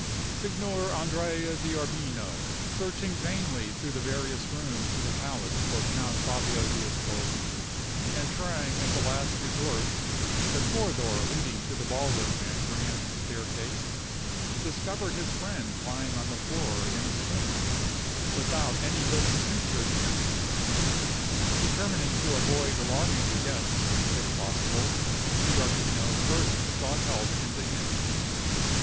Signor Andrea D'Arbino, searching vainly through the various rooms in the palace for Count Fabio d'Ascoli, and trying as a last resource, the corridor leading to the ballroom and grand staircase, discovered his friend lying on the floor in a swoon, without any living creature near him. Determining to avoid alarming the guests, if possible, D'Arbino first sought help in the antechamber.